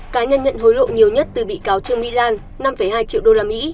cái nhân nhận hối lộ nhiều nhất từ bị cáo trương mỹ lan năm hai triệu usd